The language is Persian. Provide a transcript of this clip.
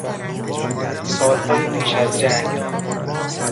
سالهای پیش از جنگ